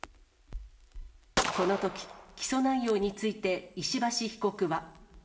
このとき、起訴内容について石橋被告は。